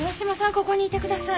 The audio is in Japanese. ここにいてください。